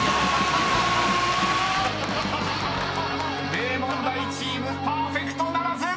［名門大チームパーフェクトならず！］